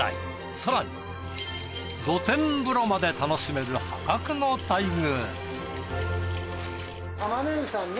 更に露天風呂まで楽しめる破格の待遇。